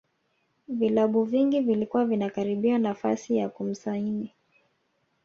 vilabu vingi vilikuwa vinakaribia nafasi ya kumsaini